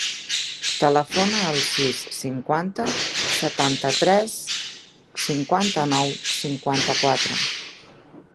Telefona al sis, cinquanta, setanta-tres, cinquanta-nou, cinquanta-quatre.